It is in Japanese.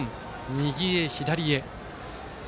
右へ、左へ。